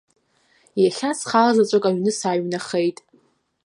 Иахьа схалазаҵәык аҩны сааҩнахеит.